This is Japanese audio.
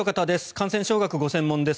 感染症学がご専門です。